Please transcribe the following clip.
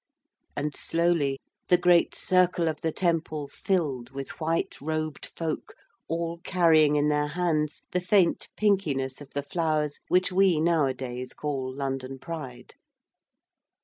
And slowly the great circle of the temple filled with white robed folk, all carrying in their hands the faint pinkiness of the flowers which we nowadays call London Pride.